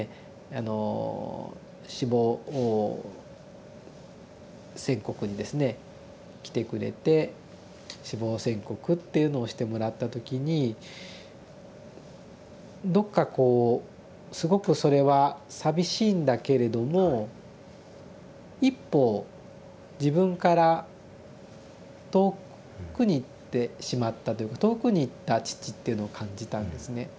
あの死亡宣告にですね来てくれて死亡宣告っていうのをしてもらった時にどっかこうすごくそれは寂しいんだけれども一方自分から遠くに行ってしまったというか遠くに行った父っていうのを感じたんですね。